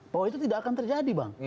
bahwa itu tidak akan terjadi bang